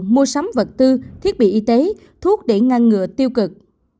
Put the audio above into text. mua sắm vật tư thiết bị y tế thuốc để ngăn ngừa tiêu cực